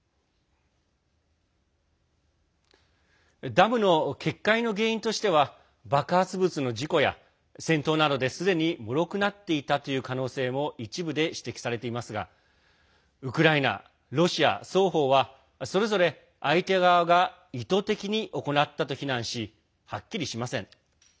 ダムの決壊の原因としては爆発物の事故や戦闘などですでに、もろくなっていたという可能性も一部で指摘されていますがウクライナ、ロシア双方はそれぞれ相手側が意図的に行ったと非難しはっきりしません。